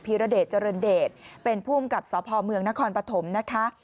ีรเดชเจริญเดชเป็นผู้อำกับสพเมืองนครปฐมนะคะ